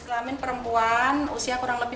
selama ini perempuan usia kurang lebih